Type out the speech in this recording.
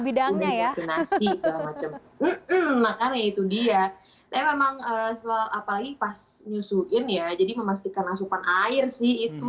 tapi memang apalagi pas menyusuin ya jadi memastikan asupan air sih itu